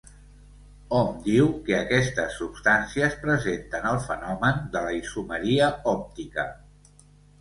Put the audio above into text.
Hom diu que aquestes substàncies presenten el fenomen de la isomeria òptica.